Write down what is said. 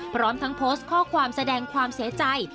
พร้อมทั้งโพสต์ข้อความแสดงความเสียใจ